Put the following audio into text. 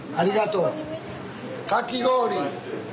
かき氷！